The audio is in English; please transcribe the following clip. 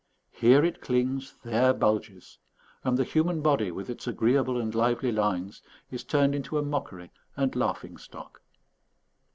Here it clings, there bulges; and the human body, with its agreeable and lively lines, is turned into a mockery and laughing stock.